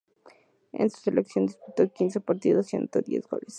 Con su selección disputó quince partidos y anotó diez goles.